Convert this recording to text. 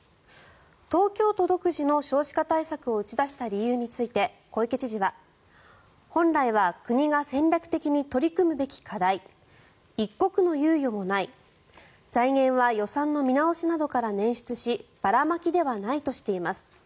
東京都独自の少子化対策を打ち出した理由について小池知事は、本来は国が戦略的に取り組むべき課題一刻の猶予もない財源は予算の見直しなどから捻出しばらまきではないとしています。